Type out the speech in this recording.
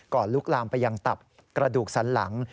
ลุกลามไปยังตับกระดูกสันหลัง